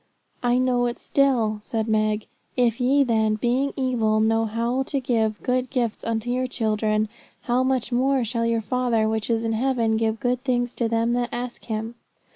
'I know it still,' said Meg. '"If ye then, being evil, know how to give good gifts unto your children: how much more shall your Father which is in heaven give good things to them that ask Him?"'